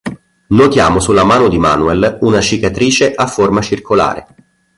Notiamo sulla mano di Manuel una cicatrice a forma circolare.